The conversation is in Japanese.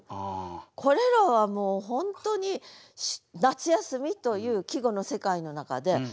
これらはもう本当に「夏休」という季語の世界の中で誰もが思う。